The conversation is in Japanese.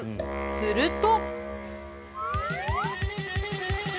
すると。